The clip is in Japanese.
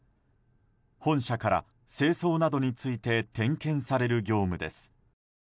本社から清掃などについて点検される業務です。